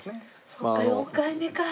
そっか４回目か。